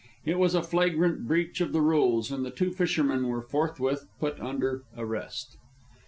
It was a flagrant breach of the rules, and the two fishermen were forthwith put under arrest.